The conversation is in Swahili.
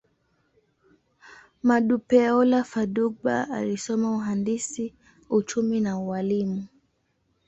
Modupeola Fadugba alisoma uhandisi, uchumi, na ualimu.